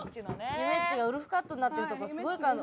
ゆめっちがウルフカットになってるとこすごい感動。